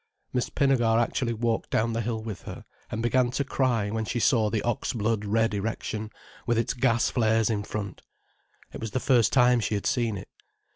Miss Pinnegar actually walked down the hill with her, and began to cry when she saw the ox blood red erection, with its gas flares in front. It was the first time she had seen it.